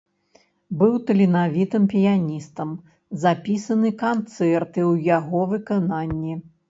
Быў таленавітым піяністам, запісаны канцэрты ў яго выкананні.